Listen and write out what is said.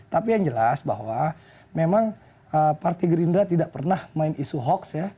jadi saya jelas bahwa memang parti gerindra tidak pernah main isu hoax ya